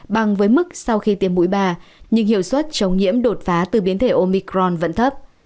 bằng với mức sau khi tiêm mũi ba nhưng hiệu suất chống nhiễm đột phá từ biến thể omicron vẫn thấp